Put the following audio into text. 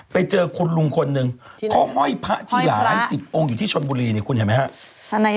ไปเจอคุณลุงคนหนึ่งเขาห้อยพระที่หลายสิบองค์อยู่ที่ชนบุรีเนี่ยคุณเห็นไหมครับ